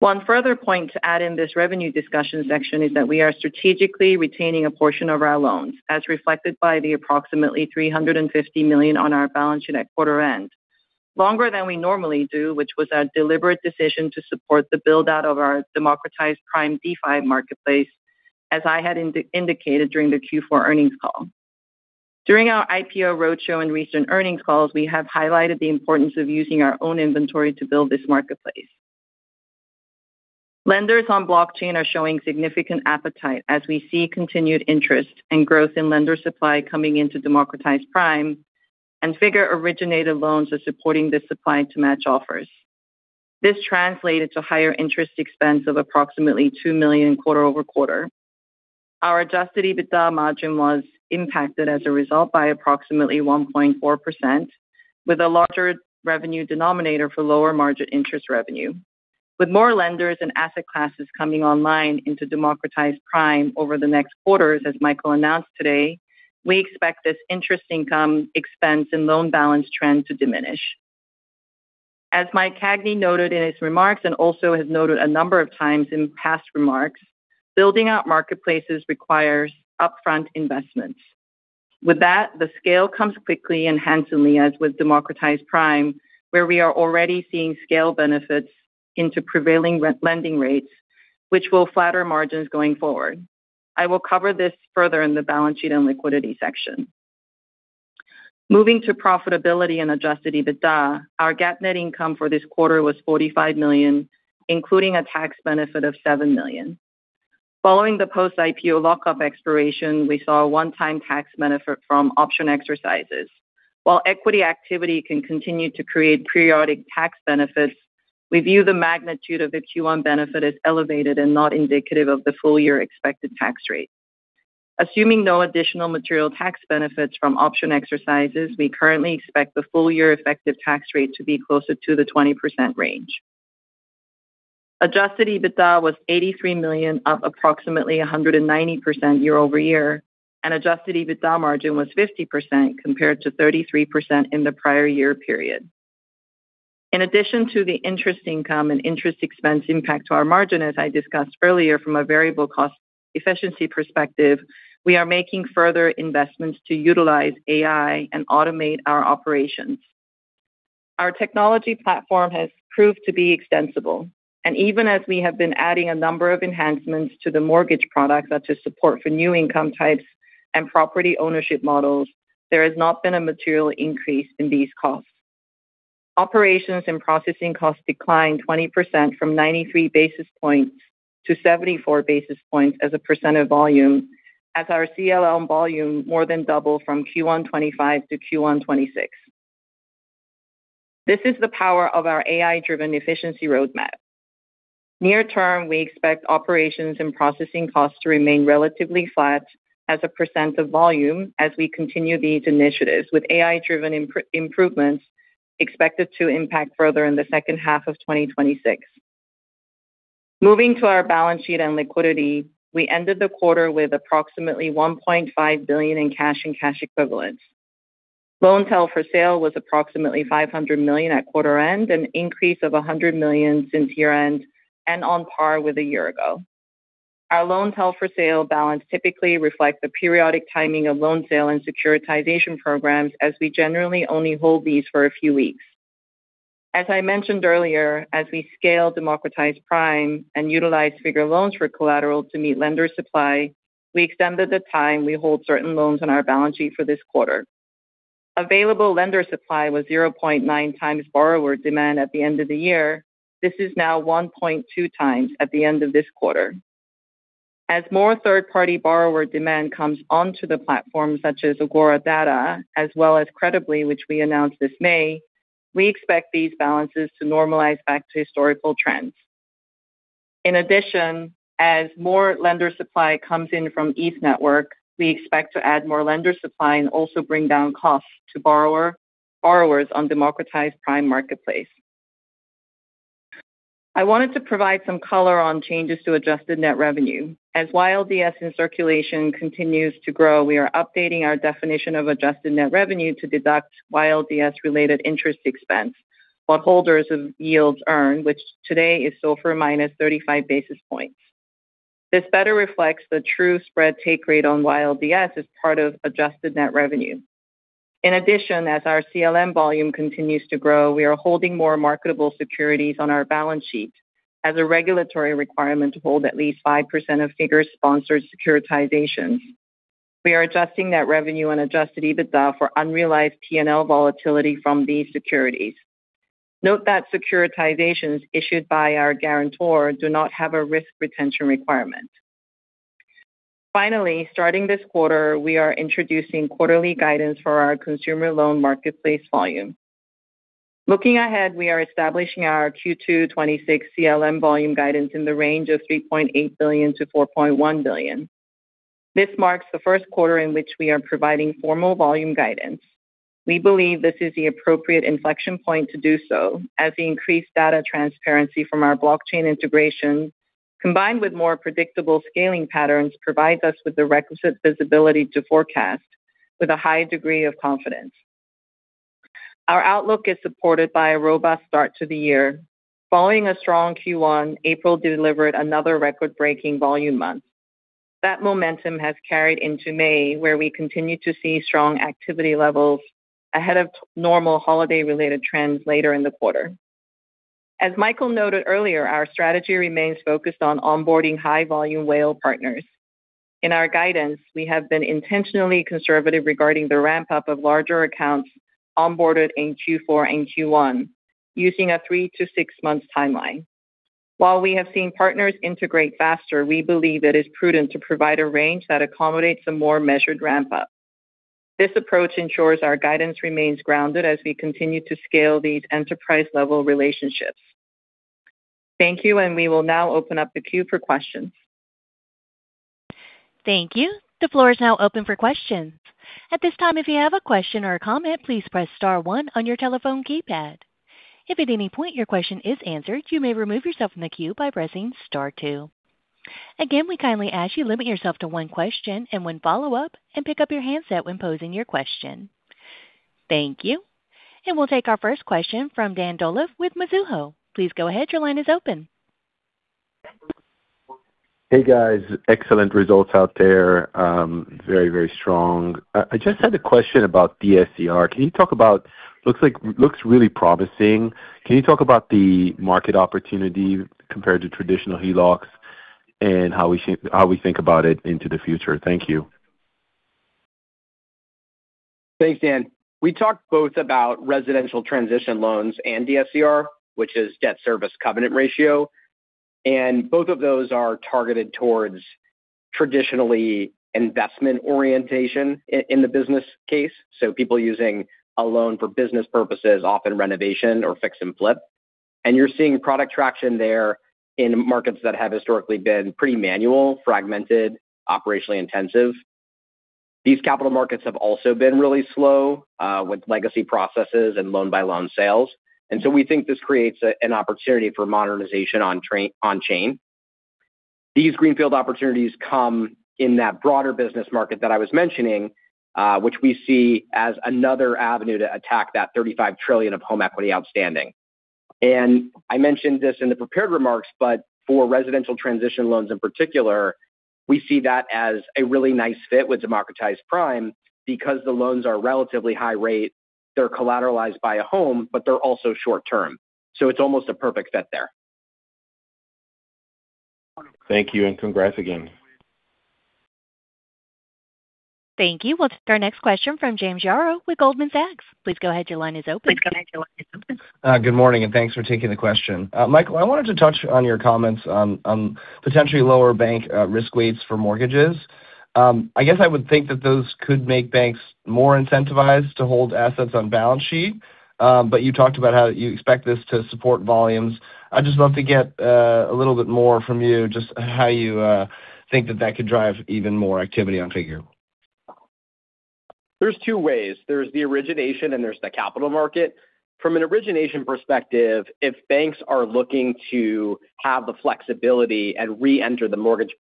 One further point to add in this revenue discussion section is that we are strategically retaining a portion of our loans, as reflected by the approximately $350 million on our balance sheet at quarter end, longer than we normally do, which was a deliberate decision to support the build-out of our Democratized Prime DeFi marketplace, as I had indicated during the Q4 earnings call. During our IPO roadshow and recent earnings calls, we have highlighted the importance of using our own inventory to build this marketplace. Lenders on blockchain are showing significant appetite as we see continued interest and growth in lender supply coming into Democratized Prime, and Figure-originated loans are supporting this supply to match offers. This translated to higher interest expense of approximately $2 million quarter-over-quarter. Our adjusted EBITDA margin was impacted as a result by approximately 1.4%, with a larger revenue denominator for lower margin interest revenue. With more lenders and asset classes coming online into Democratized Prime over the next quarters, as Michael announced today, we expect this interest income expense and loan balance trend to diminish. As Mike Cagney noted in his remarks, and also has noted a number of times in past remarks, building out marketplaces requires upfront investments. With that, the scale comes quickly and handsomely, as with Democratized Prime, where we are already seeing scale benefits into prevailing re-lending rates, which will flatter margins going forward. I will cover this further in the balance sheet and liquidity section. Moving to profitability and adjusted EBITDA, our GAAP net income for this quarter was $45 million, including a tax benefit of $7 million. Following the post-IPO lock-up expiration, we saw a one-time tax benefit from option exercises. While equity activity can continue to create periodic tax benefits, we view the magnitude of the Q1 benefit as elevated and not indicative of the full year expected tax rate. Assuming no additional material tax benefits from option exercises, we currently expect the full year effective tax rate to be closer to the 20% range. Adjusted EBITDA was $83 million, up approximately 190% year-over-year, and adjusted EBITDA margin was 50% compared to 33% in the prior year period. In addition to the interest income and interest expense impact to our margin, as I discussed earlier from a variable cost efficiency perspective, we are making further investments to utilize AI and automate our operations. Our technology platform has proved to be extensible, and even as we have been adding a number of enhancements to the mortgage product, such as support for new income types and property ownership models, there has not been a material increase in these costs. Operations and processing costs declined 20% from 93 basis points to 74 basis points as a percent of volume as our CLM volume more than doubled from Q1 2025-Q1 2026. This is the power of our AI-driven efficiency roadmap. Near term, we expect operations and processing costs to remain relatively flat as a percent of volume as we continue these initiatives, with AI-driven improvements expected to impact further in the second half of 2026. Moving to our balance sheet and liquidity, we ended the quarter with approximately $1.5 billion in cash and cash equivalents. Loans held for sale was approximately $500 million at quarter end, an increase of $100 million since year-end and on par with a year ago. Our loans held for sale balance typically reflect the periodic timing of loan sale and securitization programs, as we generally only hold these for a few weeks. I mentioned earlier, as we scale Democratized Prime and utilize Figure loans for collateral to meet lender supply, we extended the time we hold certain loans on our balance sheet for this quarter. Available lender supply was 0.9x borrower demand at the end of the year. This is now 1.2x at the end of this quarter. More third-party borrower demand comes onto the platform, such as Agora Data, as well as Credibly, which we announced this May, we expect these balances to normalize back to historical trends. As more lender supply comes in from Ethereum, we expect to add more lender supply and also bring down costs to borrowers on Democratized Prime marketplace. I wanted to provide some color on changes to adjusted net revenue. As YLDS in circulation continues to grow, we are updating our definition of adjusted net revenue to deduct YLDS-related interest expense while holders of YLDS earn, which today is SOFR minus 35 basis points. This better reflects the true spread take rate on YLDS as part of adjusted net revenue. As our CLM volume continues to grow, we are holding more marketable securities on our balance sheet as a regulatory requirement to hold at least 5% of Figure-sponsored securitizations. We are adjusting net revenue and adjusted EBITDA for unrealized P&L volatility from these securities. Note that securitizations issued by our guarantor do not have a risk retention requirement. Finally, starting this quarter, we are introducing quarterly guidance for our consumer loan marketplace volume. Looking ahead, we are establishing our Q2 2026 CLM volume guidance in the range of $3.8 billion-$4.1 billion. This marks the first quarter in which we are providing formal volume guidance. We believe this is the appropriate inflection point to do so as the increased data transparency from our blockchain integration, combined with more predictable scaling patterns, provides us with the requisite visibility to forecast with a high degree of confidence. Our outlook is supported by a robust start to the year. Following a strong Q1, April delivered another record-breaking volume month. That momentum has carried into May, where we continue to see strong activity levels ahead of normal holiday-related trends later in the quarter. As Michael noted earlier, our strategy remains focused on onboarding high-volume whale partners. In our guidance, we have been intentionally conservative regarding the ramp-up of larger accounts onboarded in Q4 and Q1 using a three to six months timeline. While we have seen partners integrate faster, we believe it is prudent to provide a range that accommodates a more measured ramp-up. This approach ensures our guidance remains grounded as we continue to scale these enterprise-level relationships. Thank you. We will now open up the queue for questions. Thank you. The floor is now open for questions. Again, we kindly ask you limit yourself to one question and one follow-up and pick up your handset when posing your question. Thank you. We'll take our first question from Dan Dolev with Mizuho. Please go ahead. Your line is open. Hey, guys. Excellent results out there. Very, very strong. I just had a question about DSCR. Looks really promising. Can you talk about the market opportunity compared to traditional HELOCs and how we think about it into the future? Thank you. Thanks, Dan. We talked both about residential transition loans and DSCR, which is debt service coverage ratio, and both of those are targeted towards traditionally investment orientation in the business case, so people using a loan for business purposes, often renovation or fix and flip. You're seeing product traction there in markets that have historically been pretty manual, fragmented, operationally intensive. These capital markets have also been really slow, with legacy processes and loan-by-loan sales. We think this creates an opportunity for modernization on chain. These greenfield opportunities come in that broader business market that I was mentioning, which we see as another avenue to attack that $35 trillion of home equity outstanding. I mentioned this in the prepared remarks, but for residential transition loans in particular, we see that as a really nice fit with Democratized Prime because the loans are relatively high rate, they're collateralized by a home, but they're also short term. It's almost a perfect fit there. Thank you, and congrats again. Thank you. We'll take our next question from James Yarrow with Goldman Sachs. Please go ahead. Good morning, and thanks for taking the question. Michael, I wanted to touch on your comments on potentially lower bank risk weights for mortgages. I guess I would think that those could make banks more incentivized to hold assets on balance sheet. You talked about how you expect this to support volumes. I'd just love to get a little bit more from you, just how you think that could drive even more activity on Figure. There's two ways. There's the origination, and there's the capital market. From an origination perspective, if banks are looking to have the flexibility and reenter the mortgage space,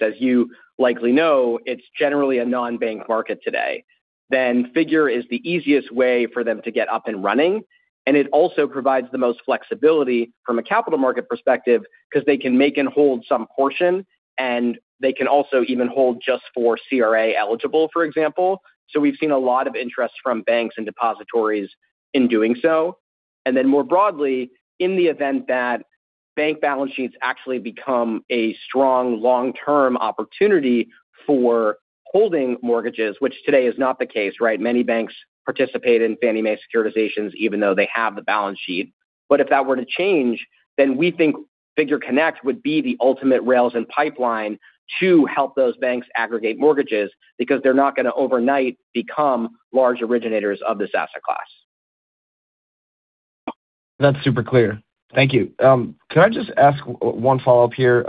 as you likely know, it's generally a non-bank market today, then Figure is the easiest way for them to get up and running. It also provides the most flexibility from a capital market perspective because they can make and hold some portion, and they can also even hold just for CRA eligible, for example. We've seen a lot of interest from banks and depositories in doing so. More broadly, in the event that bank balance sheets actually become a strong long-term opportunity for holding mortgages, which today is not the case, right? Many banks participate in Fannie Mae securitizations even though they have the balance sheet. If that were to change, we think Figure Connect would be the ultimate rails and pipeline to help those banks aggregate mortgages because they're not gonna overnight become large originators of this asset class. That's super clear. Thank you. Can I just ask 1 follow-up here?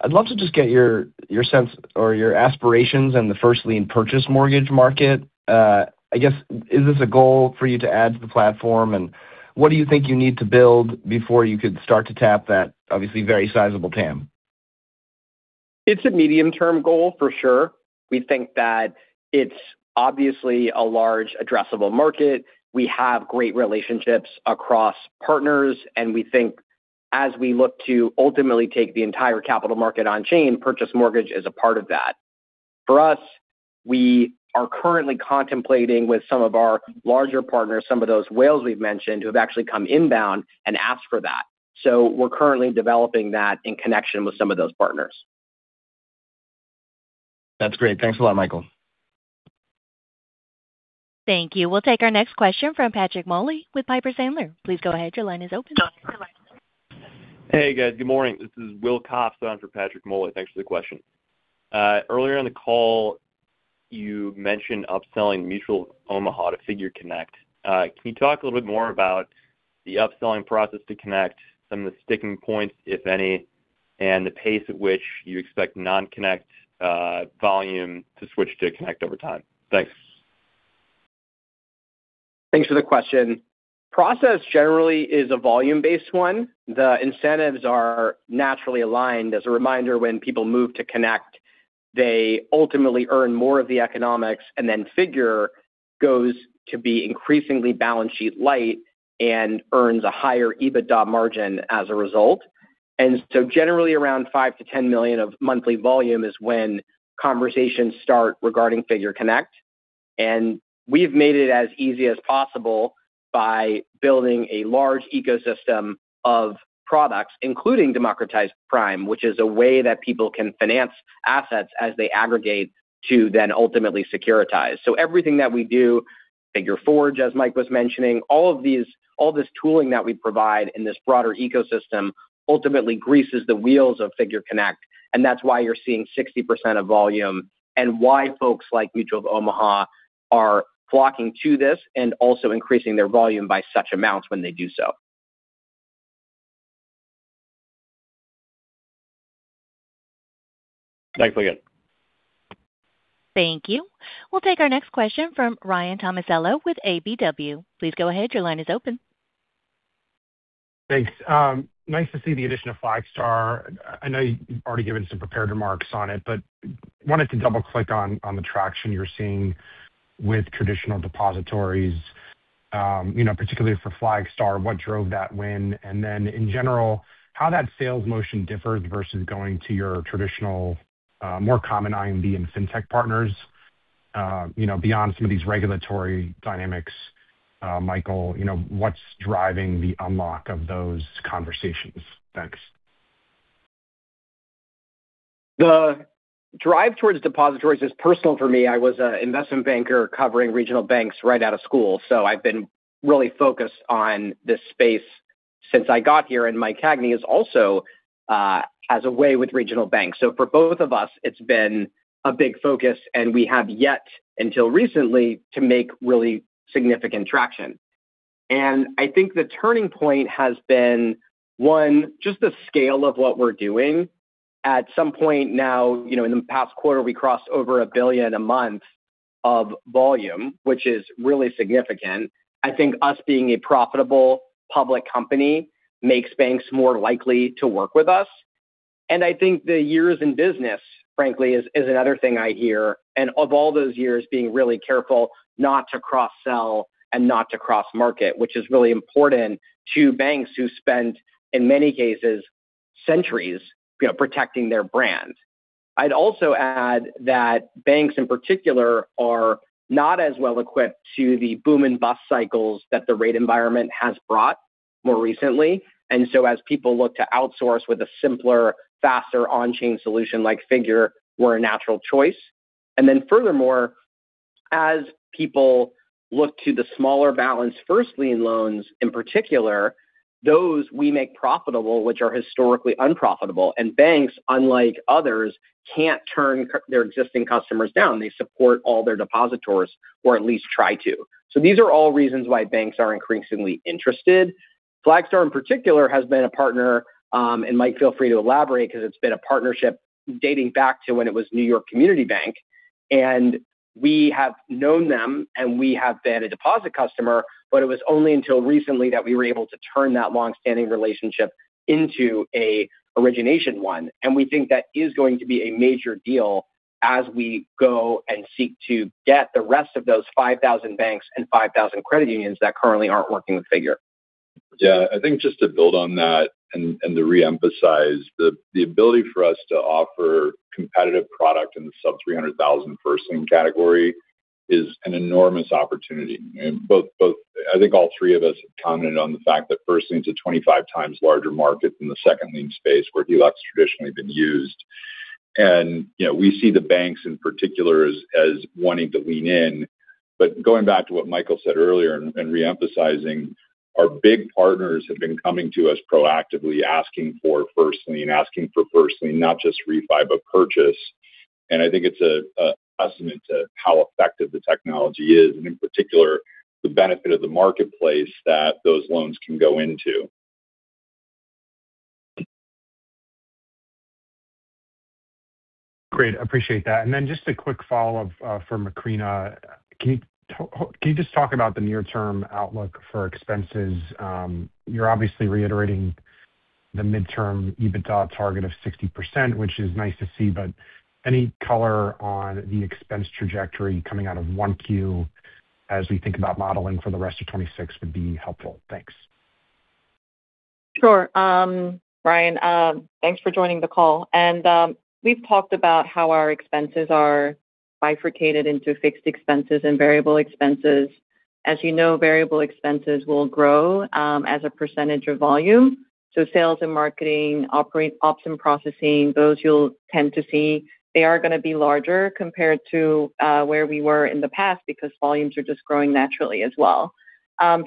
I'd love to just get your sense or your aspirations in the first lien purchase mortgage market. I guess, is this a goal for you to add to the platform? And what do you think you need to build before you could start to tap that obviously very sizable TAM? It's a medium-term goal for sure. We think that it's obviously a large addressable market. We have great relationships across partners. We think as we look to ultimately take the entire capital market on chain, purchase mortgage is a part of that. For us, we are currently contemplating with some of our larger partners, some of those whales we've mentioned, who have actually come inbound and asked for that. We're currently developing that in connection with some of those partners. That's great. Thanks a lot, Michael. Thank you. We'll take our next question from Patrick Moley with Piper Sandler. Please go ahead. Your line is open. Hey, guys. Good morning. This is Will Copps on for Patrick Moley. Thanks for the question. Earlier in the call, you mentioned upselling Mutual of Omaha to Figure Connect. Can you talk a little bit more about the upselling process to Connect, some of the sticking points, if any, and the pace at which you expect non-Connect volume to switch to Connect over time? Thanks. Thanks for the question. Process generally is a volume-based one. The incentives are naturally aligned. As a reminder, when people move to Figure Connect, they ultimately earn more of the economics, and then Figure goes to be increasingly balance sheet light and earns a higher EBITDA margin as a result. Generally around $5 million-$10 million of monthly volume is when conversations start regarding Figure Connect. We've made it as easy as possible by building a large ecosystem of products, including Democratized Prime, which is a way that people can finance assets as they aggregate to then ultimately securitize. Everything that we do, Figure Forge, as Mike was mentioning, all this tooling that we provide in this broader ecosystem ultimately greases the wheels of Figure Connect, and that's why you're seeing 60% of volume and why folks like Mutual of Omaha are flocking to this and also increasing their volume by such amounts when they do so. Thanks again. Thank you. We'll take our next question from Ryan Tomasello with KBW. Please go ahead. Thanks. Nice to see the addition of Flagstar. I know you've already given some prepared remarks on it, but wanted to double-click on the traction you're seeing with traditional depositories, you know, particularly for Flagstar. What drove that win? In general, how that sales motion differs versus going to your traditional, more common IMB and Fintech partners, you know, beyond some of these regulatory dynamics, Michael, you know, what's driving the unlock of those conversations? Thanks. The drive towards depositories is personal for me. I was an investment banker covering regional banks right out of school, so I've been really focused on this space since I got here, and Mike Cagney is also as a way with regional banks. For both of us, it's been a big focus, and we have yet, until recently, to make really significant traction. I think the turning point has been, one, just the scale of what we're doing. At some point now, you know, in the past quarter, we crossed over $1 billion a month of volume, which is really significant. I think us being a profitable public company makes banks more likely to work with us. I think the years in business, frankly, is another thing I hear, and of all those years, being really careful not to cross-sell and not to cross-market, which is really important to banks who spent, in many cases, centuries, you know, protecting their brand. I'd also add that banks, in particular, are not as well equipped to the boom and bust cycles that the rate environment has brought more recently. As people look to outsource with a simpler, faster on-chain solution like Figure, we're a natural choice. Furthermore, as people look to the smaller balance first lien loans in particular, those we make profitable, which are historically unprofitable. Banks, unlike others, can't turn their existing customers down. They support all their depositors, or at least try to. These are all reasons why banks are increasingly interested. Flagstar, in particular, has been a partner, and Mike, feel free to elaborate 'cause it's been a partnership dating back to when it was New York Community Bank. We have known them, and we have been a deposit customer, but it was only until recently that we were able to turn that long-standing relationship into a origination one. We think that is going to be a major deal as we go and seek to get the rest of those 5,000 banks and 5,000 credit unions that currently aren't working with Figure. Yeah. I think just to build on that to reemphasize the ability for us to offer competitive product in the sub 300,000 first lien category is an enormous opportunity. Both I think all three of us have commented on the fact that first lien's a 25x larger market than the second lien space where HELOCs traditionally been used. You know, we see the banks in particular as wanting to lean in. Going back to what Michael said earlier and reemphasizing, our big partners have been coming to us proactively asking for first lien, not just refi, but purchase. I think it's a testament to how effective the technology is, and in particular, the benefit of the marketplace that those loans can go into. Great. Appreciate that. Just a quick follow-up for Macrina. Can you just talk about the near-term outlook for expenses? You're obviously reiterating the midterm EBITDA target of 60%, which is nice to see. Any color on the expense trajectory coming out of 1Q as we think about modeling for the rest of 2026 would be helpful. Thanks. Sure. Ryan, thanks for joining the call. We've talked about how our expenses are bifurcated into fixed expenses and variable expenses. As you know, variable expenses will grow as a percentage of volume. Sales and marketing, ops and processing, those you'll tend to see they are gonna be larger compared to where we were in the past because volumes are just growing naturally as well.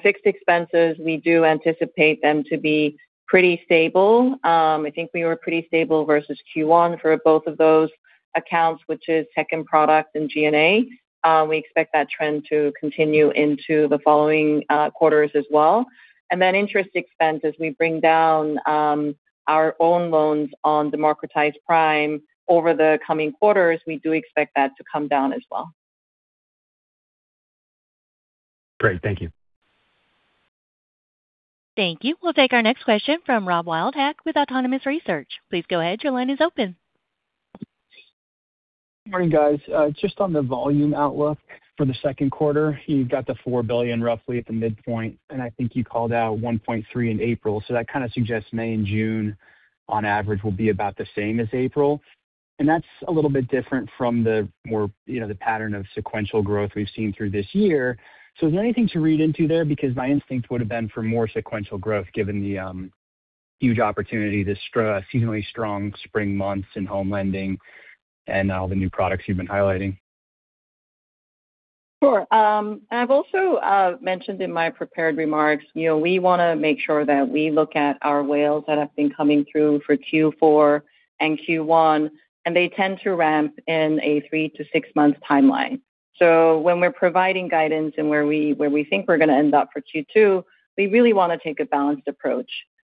Fixed expenses, we do anticipate them to be pretty stable. I think we were pretty stable versus Q1 for both of those accounts, which is tech and product and G&A. We expect that trend to continue into the following quarters as well. Then interest expense, as we bring down our own loans on Democratized Prime over the coming quarters, we do expect that to come down as well. Great. Thank you. Thank you. We'll take our next question from Rob Wildhack with Autonomous Research. Please go ahead. Morning, guys. Just on the volume outlook for the second quarter. You've got the $4 billion roughly at the midpoint, and I think you called out $1.3 billion in April. That kinda suggests May and June on average will be about the same as April. That's a little bit different from the more, you know, the pattern of sequential growth we've seen through this year. Is there anything to read into there? Because my instinct would've been for more sequential growth given the huge opportunity this seasonally strong spring months in home lending and all the new products you've been highlighting. Sure. I've also mentioned in my prepared remarks, you know, we wanna make sure that we look at our whales that have been coming through for Q4 and Q1. They tend to ramp in a 3 to 6-month timeline. When we're providing guidance and where we think we're gonna end up for Q2, we really wanna take a balanced approach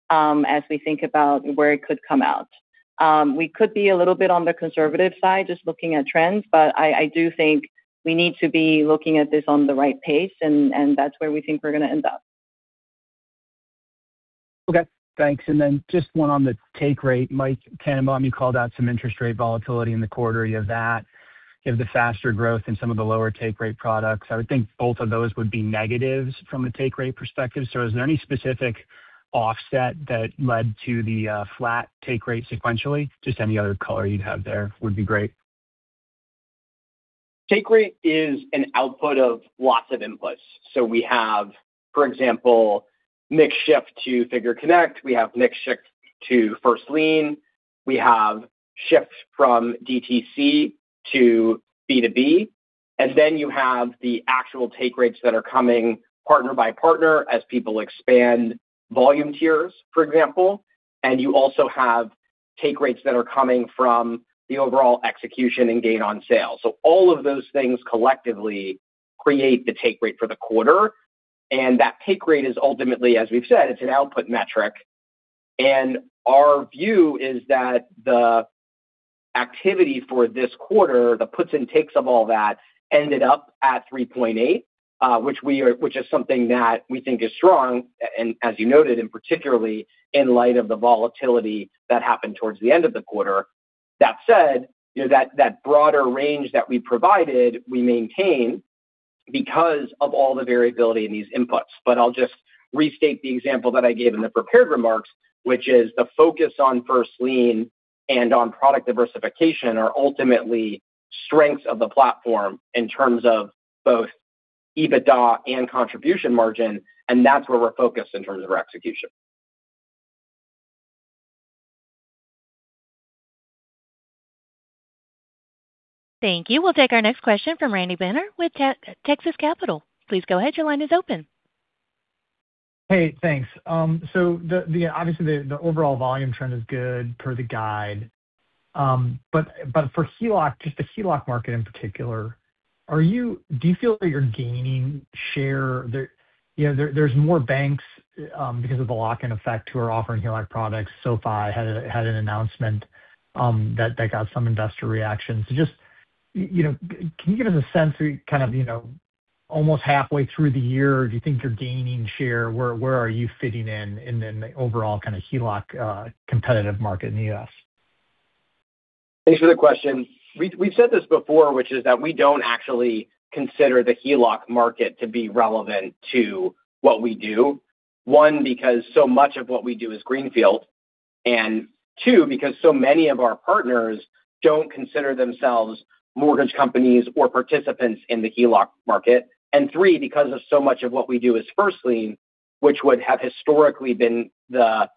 as we think about where it could come out. We could be a little bit on the conservative side just looking at trends, but I do think we need to be looking at this on the right pace and that's where we think we're gonna end up. Okay. Thanks. Just one on the take rate. Mike Tannenbaum, you called out some interest rate volatility in the quarter. You have that. You have the faster growth in some of the lower take rate products. I would think both of those would be negatives from a take rate perspective. Is there any specific offset that led to the flat take rate sequentially? Just any other color you'd have there would be great. Take rate is an output of lots of inputs. We have, for example, mix shift to Figure Connect, we have mix shift to first lien, we have shifts from DTC to B2B, and then you have the actual take rates that are coming partner by partner as people expand volume tiers, for example. You also have take rates that are coming from the overall execution and gain on sale. All of those things collectively create the take rate for the quarter. That take rate is ultimately, as we've said, it's an output metric. Our view is that the activity for this quarter, the puts and takes of all that ended up at 3.8, which is something that we think is strong. As you noted, particularly in light of the volatility that happened towards the end of the quarter. That said, you know, that broader range that we provided, we maintain because of all the variability in these inputs. I'll just restate the example that I gave in the prepared remarks, which is the focus on first lien and on product diversification are ultimately strengths of the platform in terms of both EBITDA and contribution margin. That's where we're focused in terms of our execution. Thank you. We'll take our next question from Randy Binner with Texas Capital. Please go ahead. Your line is open. Hey, thanks. The obviously the overall volume trend is good per the guide. For HELOC, just the HELOC market in particular, do you feel that you're gaining share there? You know, there's more banks because of the lock-in effect who are offering HELOC products. SoFi had an announcement that got some investor reactions. Just, you know, can you give us a sense where you kind of, you know, almost halfway through the year, do you think you're gaining share? Where are you fitting in the overall kinda HELOC competitive market in the U.S.? Thanks for the question. We've said this before, which is that we don't actually consider the HELOC market to be relevant to what we do. One, because so much of what we do is greenfield. Two, because so many of our partners don't consider themselves mortgage companies or participants in the HELOC market. Three, because of so much of what we do is first lien, which would have historically been the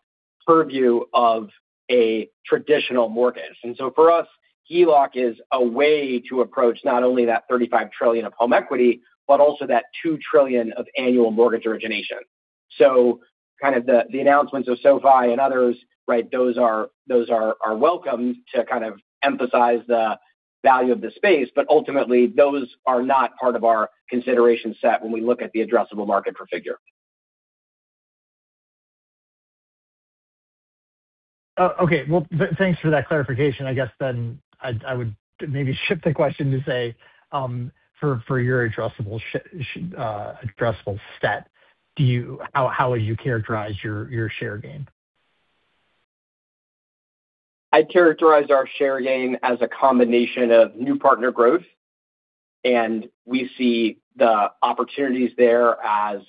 purview of a traditional mortgage. For us, HELOC is a way to approach not only that $35 trillion of home equity, but also that $2 trillion of annual mortgage origination. Kind of the announcements of SoFi and others, right, those are welcome to kind of emphasize the value of the space, but ultimately, those are not part of our consideration set when we look at the addressable market for Figure. Oh, okay. Well, thanks for that clarification. I guess I would maybe shift the question to say, for your addressable set, how would you characterize your share gain? I'd characterize our share gain as a combination of new partner growth. We see the opportunities there as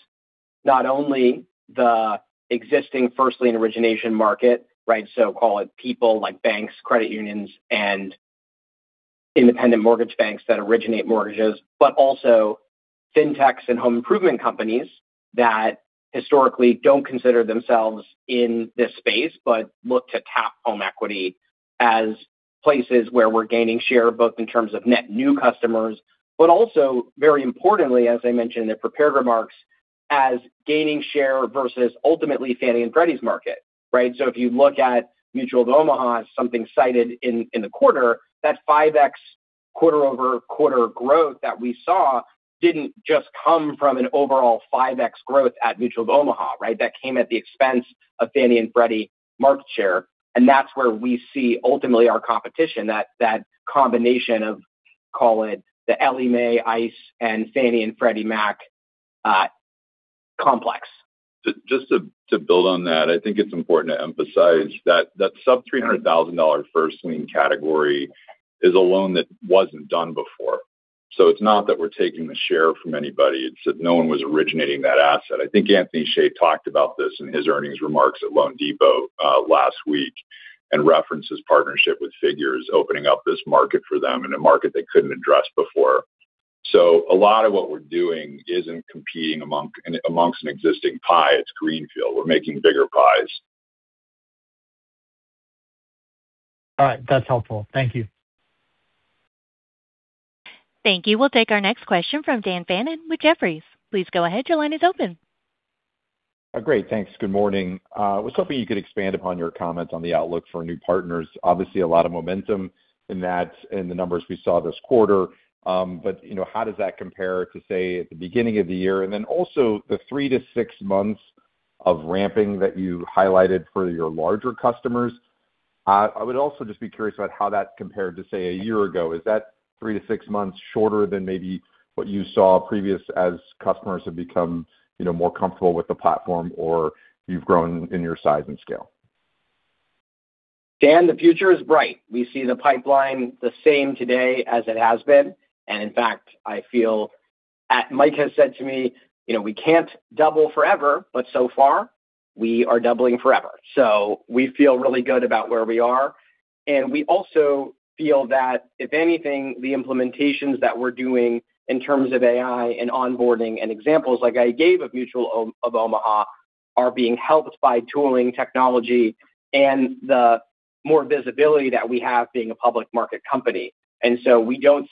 not only the existing first lien origination market, right? Call it people like banks, credit unions, and independent mortgage banks that originate mortgages, but also fintechs and home improvement companies that historically don't consider themselves in this space, but look to tap home equity as places where we're gaining share, both in terms of net new customers. Also, very importantly, as I mentioned in the prepared remarks, as gaining share versus ultimately Fannie Mae and Freddie Mac's market, right? If you look at Mutual of Omaha as something cited in the quarter, that 5x quarter-over-quarter growth that we saw didn't just come from an overall 5x growth at Mutual of Omaha, right? That came at the expense of Fannie Mae and Freddie Mac market share. That's where we see ultimately our competition, that combination of, call it the Ellie Mae, ICE, and Fannie Mae and Freddie Mac, complex. Just to build on that, I think it's important to emphasize that that sub $300,000 first lien category is a loan that wasn't done before. It's not that we're taking the share from anybody. It's that no one was originating that asset. I think Anthony Hsieh talked about this in his earnings remarks at loanDepot last week, and referenced his partnership with Figures opening up this market for them in a market they couldn't address before. A lot of what we're doing isn't competing amongst an existing pie. It's greenfield. We're making bigger pies. All right. That's helpful. Thank you. Thank you. We'll take our next question from Dan Fannon with Jefferies. Please go ahead. Your line is open. Great. Thanks. Good morning. I was hoping you could expand upon your comments on the outlook for new partners. Obviously, a lot of momentum in that in the numbers we saw this quarter. You know, how does that compare to, say, at the beginning of the year? Also, the three to six months of ramping that you highlighted for your larger customers. I would also just be curious about how that compared to, say, a year ago. Is that three to six months shorter than maybe what you saw previous as customers have become, you know, more comfortable with the platform or you've grown in your size and scale? Dan, the future is bright. We see the pipeline the same today as it has been. In fact, I feel Mike has said to me, you know, we can't double forever, but so far we are doubling forever. We feel really good about where we are. We also feel that if anything, the implementations that we're doing in terms of AI and onboarding and examples like I gave of Mutual of Omaha are being helped by tooling technology and the more visibility that we have being a public market company. We don't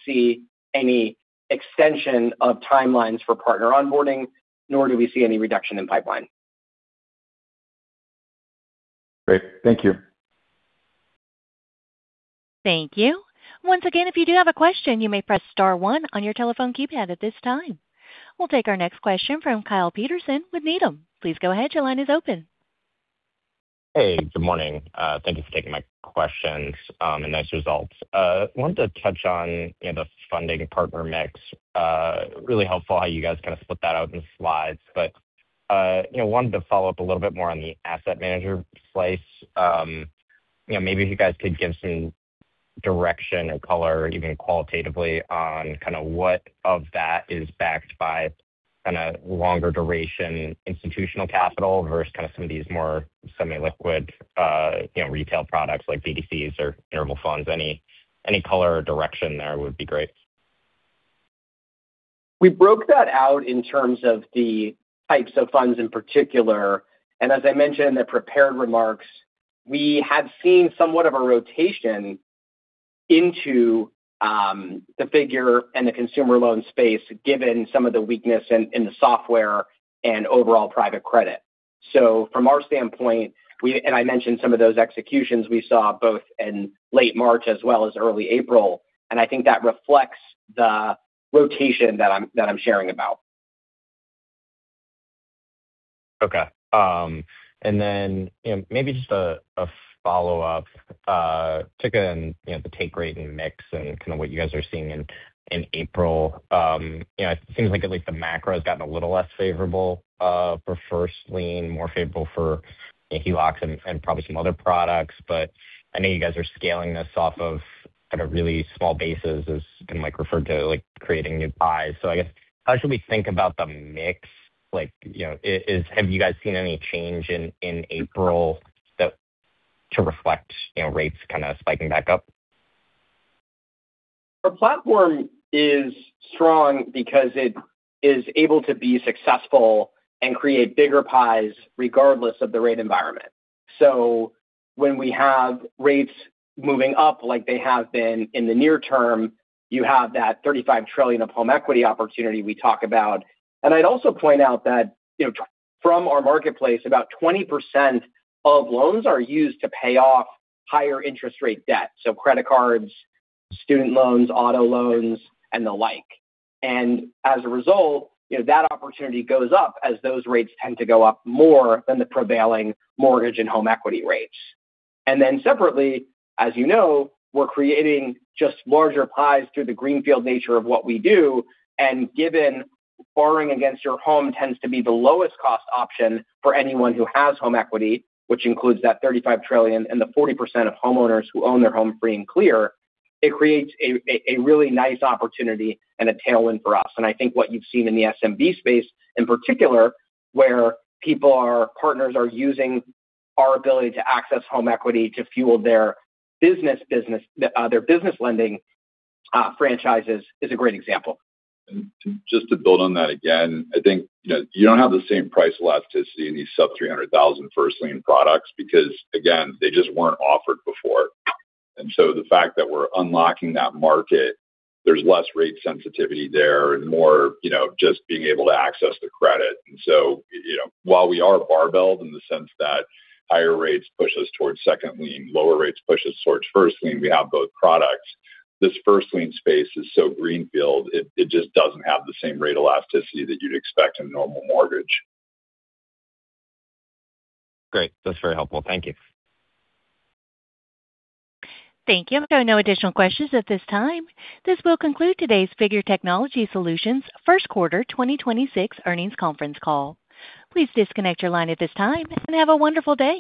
see any extension of timelines for partner onboarding, nor do we see any reduction in pipeline. Great. Thank you. Thank you. We'll take our next question from Kyle Peterson with Needham. Please go ahead. Hey, good morning. Thank you for taking my questions and nice results. Wanted to touch on, you know, the funding partner mix. Really helpful how you guys kinda split that out in slides. You know, wanted to follow up a little bit more on the asset manager slice. You know, maybe if you guys could give some direction or color even qualitatively on kinda what of that is backed by kinda longer duration institutional capital versus kinda some of these more semi-liquid, you know, retail products like BDCs or interval funds. Any color or direction there would be great? We broke that out in terms of the types of funds in particular. As I mentioned in the prepared remarks, we have seen somewhat of a rotation into the Figure and the consumer loan space given some of the weakness in the software and overall private credit. From our standpoint, I mentioned some of those executions we saw both in late March as well as early April, and I think that reflects the rotation that I'm sharing about. Okay. You know, maybe just a follow-up to, you know, the take rate and mix and kinda what you guys are seeing in April. You know, it seems like at least the macro has gotten a little less favorable for first lien, more favorable for HELOCs and probably some other products. I know you guys are scaling this off of kind of really small bases as Mike referred to, like, creating new pies. I guess how should we think about the mix? Like, you know, have you guys seen any change in April that to reflect, you know, rates kinda spiking back up? Our platform is strong because it is able to be successful and create bigger pies regardless of the rate environment. When we have rates moving up like they have been in the near term, you have that $35 trillion of home equity opportunity we talk about. I'd also point out that, you know, from our marketplace, about 20% of loans are used to pay off higher interest rate debt, so credit cards, student loans, auto loans, and the like. As a result, you know, that opportunity goes up as those rates tend to go up more than the prevailing mortgage and home equity rates. Separately, as you know, we're creating just larger pies through the greenfield nature of what we do. Given borrowing against your home tends to be the lowest cost option for anyone who has home equity, which includes that $35 trillion and the 40% of homeowners who own their home free and clear, it creates a really nice opportunity and a tailwind for us. I think what you've seen in the SMB space, in particular, where partners are using our ability to access home equity to fuel their business, their business lending franchises is a great example. Just to build on that again, I think, you know, you don't have the same price elasticity in these sub $300,000 first lien products because, again, they just weren't offered before. The fact that we're unlocking that market, there's less rate sensitivity there and more, you know, just being able to access the credit. While we are barbelled in the sense that higher rates push us towards second lien, lower rates push us towards first lien, we have both products. This first lien space is so greenfield, it just doesn't have the same rate elasticity that you'd expect in a normal mortgage. Great. That's very helpful. Thank you. Thank you. There are no additional questions at this time. This will conclude today's Figure Technology Solutions first quarter 2026 earnings conference call. Please disconnect your line at this time and have a wonderful day.